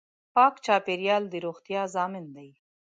پاک چاپېریال د روغتیا ضامن دی.